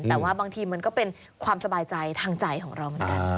แต่ว่าบางทีมันก็เป็นความสบายใจทางใจของเราเหมือนกัน